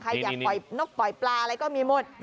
อยากปล่อยนกปล่อยปลาอะไรก็มีหมด